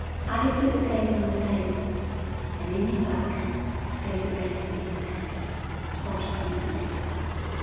Alec put the paper on the table, and leaning back, his face resting in his hand, thought deeply.